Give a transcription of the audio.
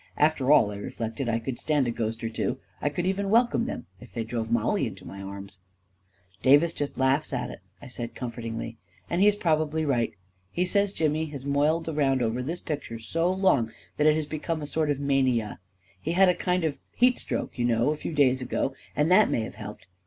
After all, I reflected, I could stand a ghost or two — I could even welcome them I — if they drove Mollie into my arms I 44 Davis just laughs at it," I said comfortingly; 44 and he's probably right. He says Jimmy has moiled around over this picture so long, that it has become a sort of mania — he had a kind of heat stroke, you know, a few days ago, and that may have helped.